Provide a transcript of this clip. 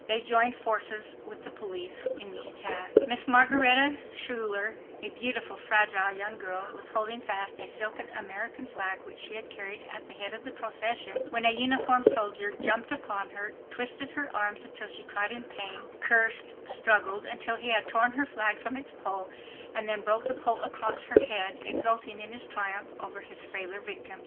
They joined forces with the police in the attack. Miss Margaretta Schuyler, a beautiful, fragile young girl, was holding fast a silken American flag which she had carried at the head of the procession when a uniformed soldier jumped upon her, twisted her arms until she cried in pain, cursed, struggled until he had torn her flag from its pole, and then broke the pole across her head, exulting in his triumph over his frailer victim.